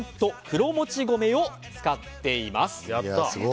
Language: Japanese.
黒もち米を使っています。